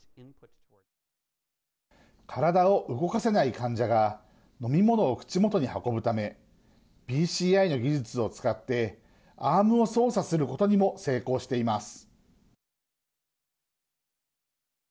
体を動かせない患者が飲み物を口元に運ぶためＢＣＩの技術を使ってアームを操作することにも成功しています。